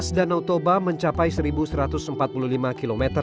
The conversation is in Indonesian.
setengah masa panjang obstacle